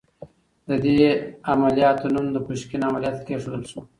د دې عملياتو نوم د پوشکين عمليات کېښودل شو.